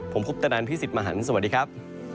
ผมคุปตะนันพี่สิทธิ์มหันฯสวัสดีครับ